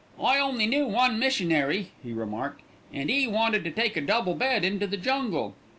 "I only knew one missionary," he remarked, "an' 'e wanted to take a double bed into the jungle.